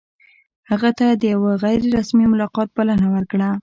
هغه ته د یوه غیر رسمي ملاقات بلنه ورکړه.